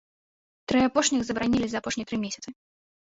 Тры апошніх забаранілі за апошнія тры месяцы.